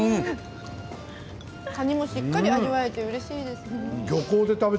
カニもしっかり味わえてうれしいです。